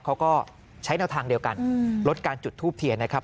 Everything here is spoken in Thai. เขาก็ใช้แนวทางเดียวกันลดการจุดทูบเทียนนะครับ